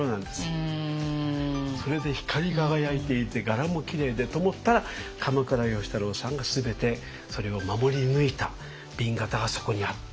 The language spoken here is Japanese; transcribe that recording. それで光り輝いていて柄もきれいでと思ったら鎌倉芳太郎さんが全てそれを守り抜いた紅型がそこにあった。